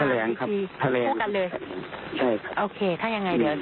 โอเคถ้ายังไงเดี๋ยวแจ้งกันด้วย